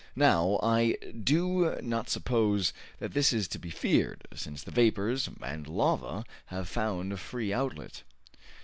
Now, I do not suppose that this is to be feared, since the vapors and lava have found a free outlet."